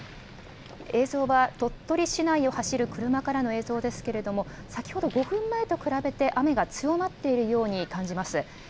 映像は鳥取市内を走る車からの映像ですけれども、先ほど５分前と比べて、雨が強まっているように感じます。